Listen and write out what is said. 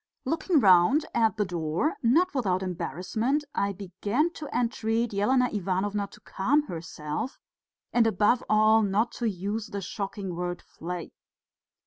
Looking round at the door, not without embarrassment, I began to entreat Elena Ivanovna to calm herself, and above all not to use the shocking word "flay."